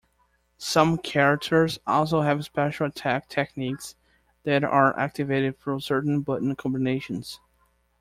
Some characters also have special attack techniques that are activated through certain button combinations.